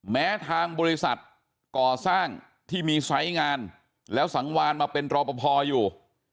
แม้ทางบริษัทก่อสร้างที่มีไซส์งานแล้วสังวานมาเป็นรอปภอยู่